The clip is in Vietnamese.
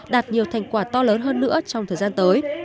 đạt nhiều thành quả to lớn hơn nữa trong thời gian tới